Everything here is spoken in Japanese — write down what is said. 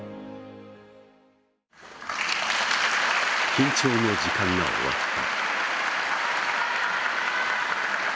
緊張の時間が終わった。